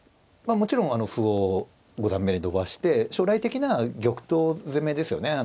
もちろん歩を五段目に伸ばして将来的な玉頭攻めですよね。